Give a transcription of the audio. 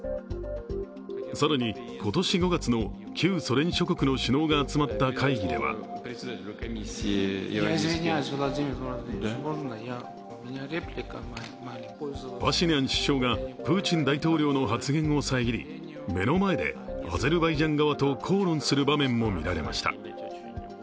更に、今年５月の旧ソ連諸国の首脳が集まった会議ではパシニャン首相がプーチン大統領の発言を遮り、目の前でアゼルバイジャン側と口論する場面も見られました。